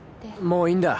もういいんだ。